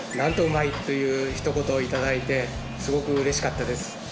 というひと言を頂いてすごくうれしかったです。